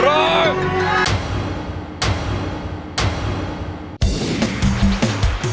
หรือว่าร้องผิดครับ